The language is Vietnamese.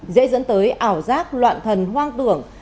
dễ dẫn tới ảo giác loạn thần hoang tưởng